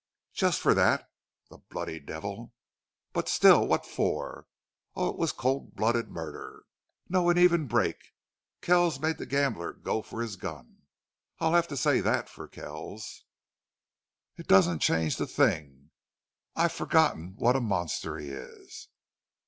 "Just for that the bloody devil!" "But still what for? Oh, it was cold blooded murder." "No, an even break. Kells made the gambler go for his gun. I'll have to say that for Kells." "It doesn't change the thing. I'd forgotten what a monster he is."